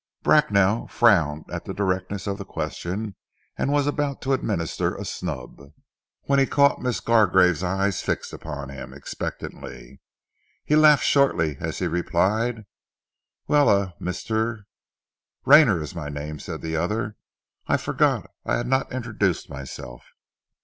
Bracknell frowned at the directness of the question and was about to administer a snub, when he caught Miss Gargrave's eyes fixed upon him expectantly. He laughed shortly as he replied, "Well, Mr. ar " "Rayner is my name," said the other. "I forgot I had not introduced myself."